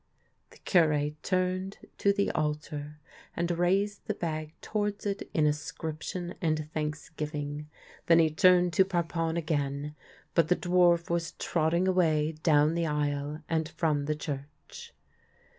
238 THE LANE THAT HAD NO TURNING The Cure turned to the aUar and raised the bag to wards it in ascription and thanksgiving, then he turned to Parpon again, but the dwarf was trotting away down the aisle and from the church.